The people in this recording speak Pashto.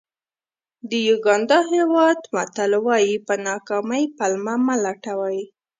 د یوګانډا هېواد متل وایي په ناکامۍ پلمه مه لټوئ.